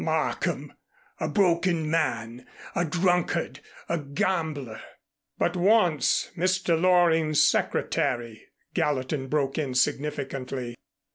"Markham, a broken man, a drunkard, a gambler " "But once Mr. Loring's secretary," Gallatin broke in significantly.